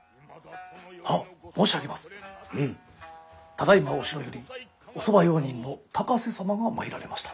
「ただいまお城よりお側用人の高瀬様が参られました」。